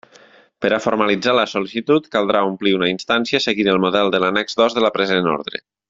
Per a formalitzar la sol·licitud caldrà omplir una instància seguint el model de l'annex dos de la present orde.